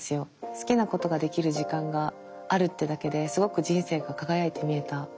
好きなことができる時間があるってだけですごく人生が輝いて見えたし